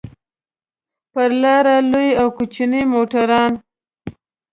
پر لاره لوی او کوچني موټران.